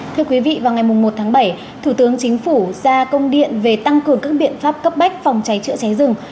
thưa quý vị vào ngày một tháng bảy thủ tướng chính phủ ra công điện về tăng cường các biện pháp cấp bách phòng cháy chữa cháy rừng